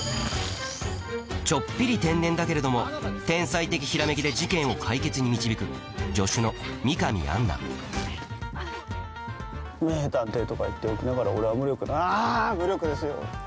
ちょっぴり天然だけれども天才的ひらめきで事件を解決に導く名探偵とか言っておきながら俺は無力だあ無力ですよ。